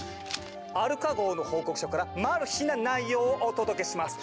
「アルカ号の報告書」からな内容をお届けします。